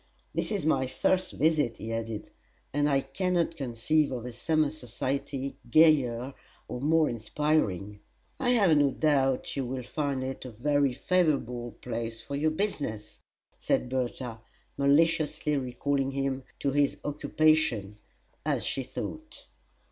"This is my first visit," he added; "and I can not conceive of a summer society gayer or more inspiring." "I have no doubt you will find it a very favorable place for your business," said Bertha, maliciously recalling him to his occupation, as she thought.